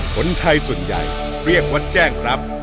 คนไทยส่วนใหญ่เรียกวัดแจ้งครับ